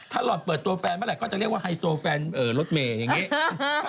ถ้าหล่อนเปิดตัวแฟนเมื่อไหก็จะเรียกว่าไฮโซแฟนรถเมย์อย่างนี้